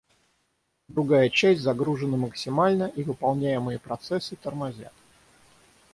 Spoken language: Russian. Другая часть загружена максимально и выполняемые процессы «тормозят»